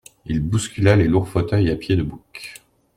Il bouscula les lourds fauteuils à pieds de bouc.